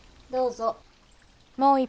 どうぞ。